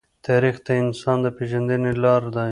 تاریخ د انسان د پېژندنې لار دی.